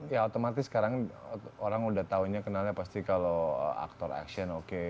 ya otomatis sekarang orang udah taunya kenalnya pasti kalau aktor action oke